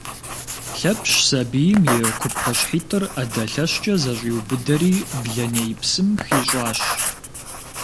Лъэпщ сабийм и купкъыщхьитӏыр ӏэдэ лъэщкӏэ зэщӏиубыдэри блэней псым хищӏащ.